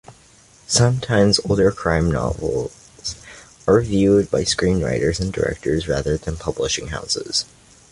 Sometimes older crime novels are revived by screenwriters and directors rather than publishing houses.